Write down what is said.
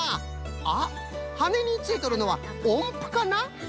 あっはねについとるのはおんぷかな？